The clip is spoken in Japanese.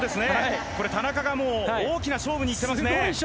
これ田中がもう大きな勝負に行ってますね。